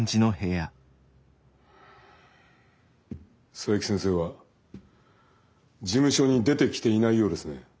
佐伯先生は事務所に出てきていないようですね。